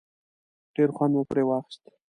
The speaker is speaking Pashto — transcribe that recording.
ډېر خوند مو پرې واخیست.